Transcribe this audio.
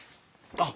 あっ。